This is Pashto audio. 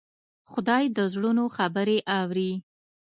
خدای د زړونو خبرې اوري.